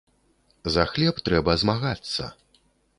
За хлеб трэба змагацца!